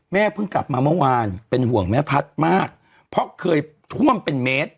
เพิ่งกลับมาเมื่อวานเป็นห่วงแม่พัฒน์มากเพราะเคยท่วมเป็นเมตร